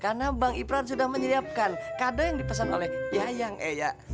karena bang ipan sudah menyiapkan kada yang dipesan oleh yayang eya